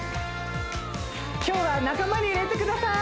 今日は仲間に入れてください